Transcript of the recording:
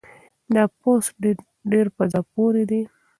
دا پوسټ ډېر په زړه پورې دی.